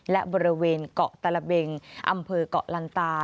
และบริเวณเกาะตระเบงอำเภอกเกาะลันตา